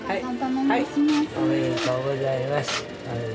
おめでとうございます。